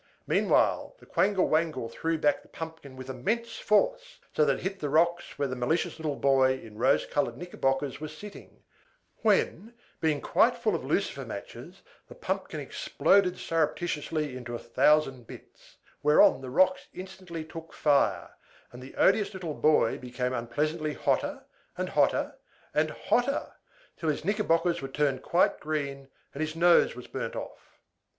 Meanwhile the Quangle Wangle threw back the pumpkin with immense force, so that it hit the rocks where the malicious little boy in rose colored knickerbockers was sitting; when, being quite full of lucifer matches, the pumpkin exploded surreptitiously into a thousand bits; whereon the rocks instantly took fire, and the odious little boy became unpleasantly hotter and hotter and hotter, till his knickerbockers were turned quite green, and his nose was burnt off.